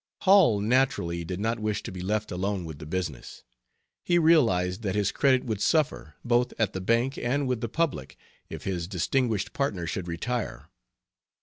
Hall, naturally, did not wish to be left alone with the business. He realized that his credit would suffer, both at the bank and with the public, if his distinguished partner should retire.